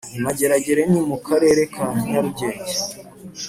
Imageragere ni mukarere ka nyarugenge